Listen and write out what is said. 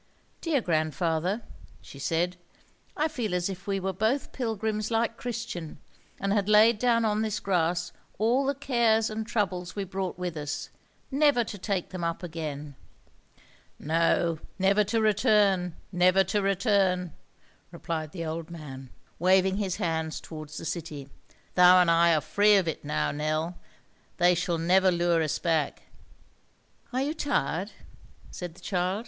"Dear grandfather," she said, "I feel as if we were both pilgrims like Christian, and had laid down on this grass all the cares and troubles we brought with us, never to take them up again." "No, never to return, never to return," replied the old man, waving his hands towards the city. "Thou and I are free of it now, Nell. They shall never lure us back." "Are you tired?" said the child.